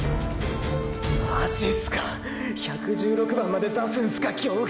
マジすか１１６番まで出すんすか京伏！！